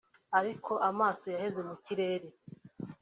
ariko amaso yaheze mu kirere”